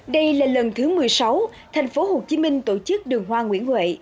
đây là lần thứ một mươi sáu thành phố hồ chí minh tổ chức đường hoa nguyễn huệ